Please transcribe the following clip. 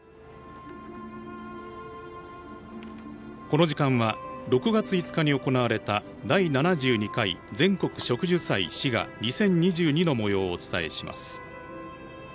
この時間は６月５日に行われた第７２回全国植樹祭しが２０２２の模様をお伝えします。